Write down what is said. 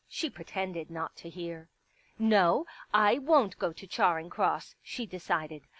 She pretended not to hear. " No, I won't go to Charing Cross," she decided.